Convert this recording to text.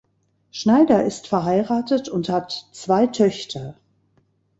Schneider ist verheiratet und hat zwei Töchter.